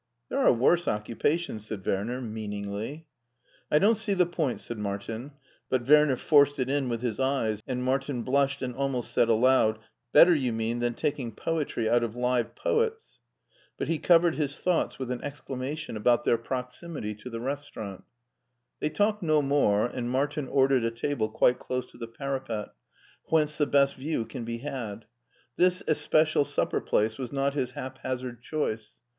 "There are worse occupations," said Werner, meaningly. " I don't see the point," said Martin, but Werner forced it in with his eyes, and Martin blushed and almost said aloud, "Better, you mean, than taking poetry out of live poets," but he covered his thoughts with an exclamation about their proximity to the HEIDELBERG 25 restaurant They talked no more, and Martin ordered a table quite close to the parapet, whence the best view can be had. This especial supper place was not his haphazard choice.